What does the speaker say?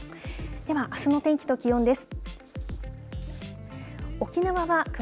では、あすの天気と気温です。